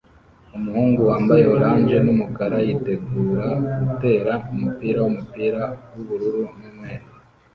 Umuhungu wambaye orange n'umukara yitegura gutera umupira w'umupira w'ubururu n'umweru